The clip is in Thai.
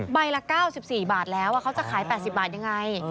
ใบละ๙๔บาทแล้วเขาจะขาย๘๐บาทยังไง